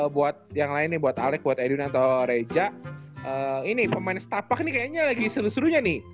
buat yang lain buat alec buat edwin atau reja ini pemain star park ini kayaknya lagi seru serunya nih